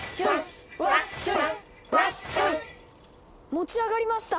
持ち上がりました！